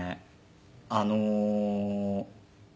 あの。